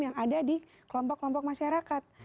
yang ada di kelompok kelompok masyarakat